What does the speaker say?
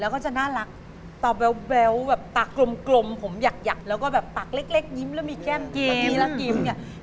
แล้วก็จะน่ารักตอบแบวแบบตากลมผมหยักแล้วก็แบบปากเล็กยิ้มแล้วมีแก้มเกม